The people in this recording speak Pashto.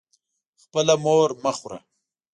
خپله مور مه خوره.